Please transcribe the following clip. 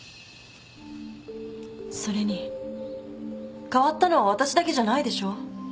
それに変わったのはわたしだけじゃないでしょう？